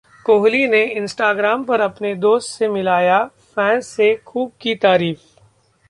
कोहली ने इंस्टाग्राम पर अपने दोस्त से मिलाया, फैंस से खूब की तारीफ